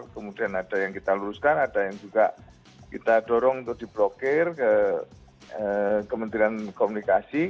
kemudian ada yang kita luruskan ada yang juga kita dorong untuk diblokir ke kementerian komunikasi